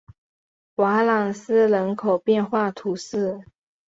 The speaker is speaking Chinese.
瓦朗斯人口变化图示